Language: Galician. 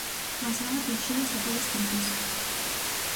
Mais non atinxiu os apoios precisos.